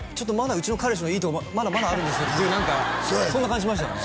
「うちの彼氏のいいとこまだまだあるんですよ」って何かそんな感じしましたよね？